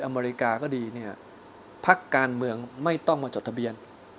อเมริกาก็ดีเนี่ยพักการเมืองไม่ต้องมาจดทะเบียน